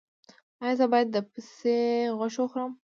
ایا زه باید د پسې غوښه وخورم؟